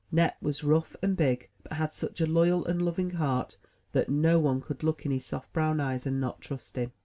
Nep was rough and big, but had such a loyal and loving heart that no one could look in his soft brown eyes and not trust him.